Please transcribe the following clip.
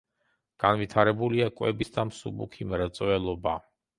განვითარებულია კვების და მსუბუქი მრეწველობა.